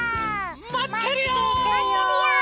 まってるよ！